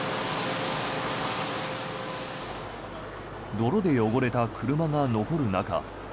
泥で汚れた車が残る中